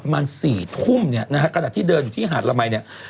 ประมาณ๐๖๐๐นะกะด่าที่เดินอยู่ที่หาดละมาย